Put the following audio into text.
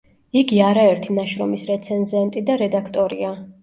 იგი არაერთი ნაშრომის რეცენზენტი და რედაქტორია.